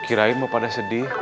kirain mau pada sedih